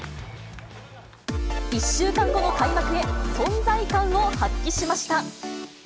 １週間後の開幕へ、存在感を発揮しました。